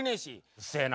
うっせえな。